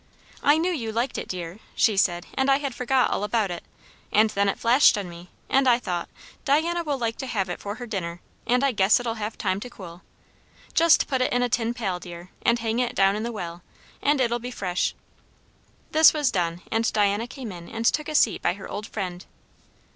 "I knew you liked it, dear," she said, "and I had forgot all about it; and then it flashed on me, and I thought, Diana will like to have it for her dinner; and I guess it'll have time to cool. Just put it in a tin pail, dear, and hang it down in the well; and it'll be fresh." This was done, and Diana came in and took a seat by her old friend.